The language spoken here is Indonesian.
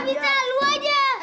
gigi gue ntar patah